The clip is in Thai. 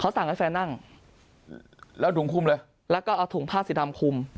สั่งให้แฟนนั่งแล้วถุงคุมเลยแล้วก็เอาถุงผ้าสีดำคุม